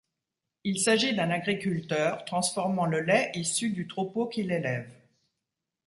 Il s'agit d'un agriculteur transformant le lait issu du troupeau qu'il élève.